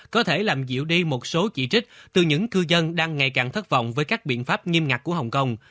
có thể làm dịu đi một số chỉ trích từ những cư dân đang ngày càng thất vọng với các biện pháp nghiêm ngặt của hồng kông